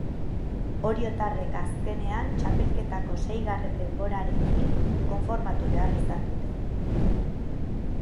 Oriotarrek azkenean txapelketako seigarren denborarekin konformatu behar izan dute.